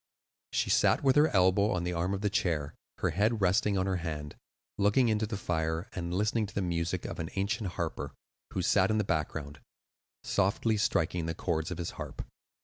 She sat with her elbow on the arm of her chair, her head resting on her hand, looking into the fire and listening to the music of an ancient harper, who sat in the background, softly striking the chords of his harp.